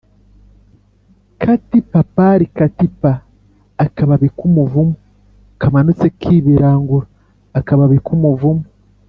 Kati papari kati pa !!-Akababi k'umuvumu. Kamanutse kibarangura-Akababi k'umuvumu.